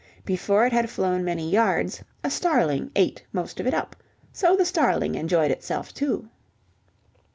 Before it had flown many yards, a starling ate most of it up, so the starling enjoyed itself too.